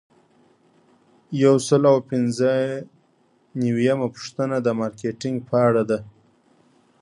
یو سل او پنځه نوي یمه پوښتنه د مارکیټینګ په اړه ده.